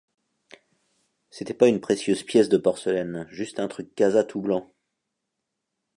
C’était pas une précieuse pièce de porcelaine, juste un truc Casa tout blanc.